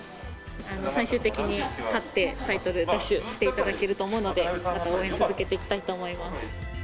最終的に勝って、タイトル奪取していただけると思うので、また応援続けていきたいと思います。